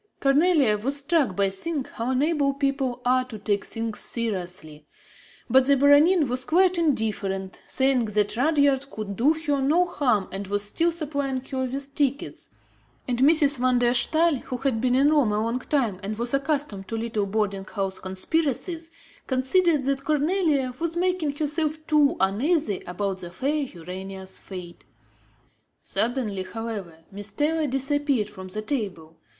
Cornélie was struck by seeing how unable people are to take things seriously; but the Baronin was quite indifferent, saying that Rudyard could do her no harm and was still supplying her with tickets; and Mrs. van der Staal, who had been in Rome a long time and was accustomed to little boarding house conspiracies, considered that Cornélie was making herself too uneasy about the fair Urania's fate. Suddenly, however, Miss Taylor disappeared from the table.